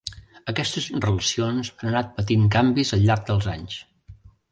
Aquestes relacions han anat patint canvis al llarg dels anys.